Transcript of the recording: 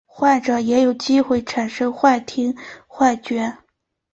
患者也有机会产生幻听幻觉。